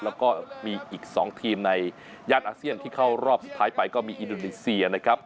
แล้วก็มีอีก๒ทีมในย่านอาเซียนที่เข้ารอบสุดท้ายไปก็มีอินโดนีเซียนะครับ